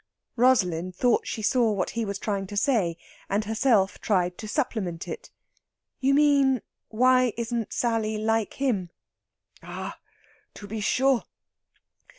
Rosalind thought she saw what he was trying to say, and herself tried to supplement it. "You mean, why isn't Sally like him?" "Ah, to be sure!